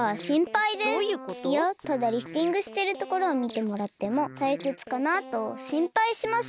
いやただリフティングしてるところをみてもらってもたいくつかなとしんぱいしまして。